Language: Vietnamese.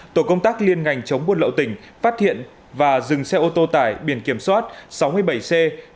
tổ công tác liên ngành chống buôn lậu tỉnh phát hiện và dừng xe ô tô tải biển kiểm soát sáu mươi bảy c sáu nghìn tám trăm sáu mươi tám